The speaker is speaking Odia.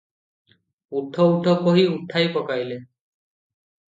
ଉଠ ଉଠ, କହି ଉଠାଇ ପକାଇଲେ ।